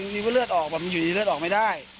มีเลือดออกอยู่ในนี้เลือดออกไม่ได้